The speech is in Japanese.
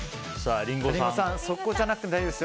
リンゴさん、そこじゃなくても大丈夫ですよ。